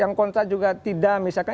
yang kontra juga tidak misalkan